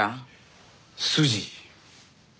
筋。